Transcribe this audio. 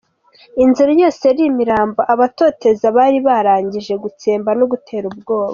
Inzira yose yari imirambo abatoteza bari barangije gutsemba no gutera ubwoba.